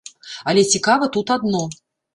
Але цікава тут адно.